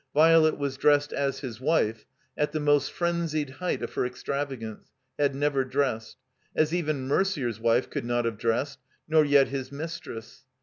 Violet was dressed as his wife, at the most frenzied height of her extrava gance, had never dressed, as even Merder's wife could not have dressed, nor yet his mistress.